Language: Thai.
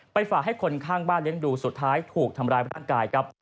ฝากให้คนข้างบ้านเลี้ยงดูสุดท้ายถูกทำร้ายร่างกายครับ